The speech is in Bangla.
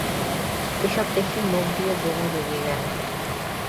এসব দেখে মুখ দিয়ে বমি বেরিয়ে গেলো।